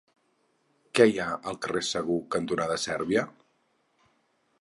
Què hi ha al carrer Segur cantonada Sèrbia?